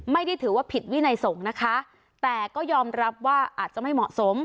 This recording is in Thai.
ไม่ได้ถือว่าผิดวินัยสงฆ์นะคะแต่ก็ยอมรับว่าอาจจะไม่เหมาะสม